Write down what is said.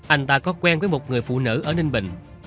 anh ta có quen với một người phụ nữ ở ninh bình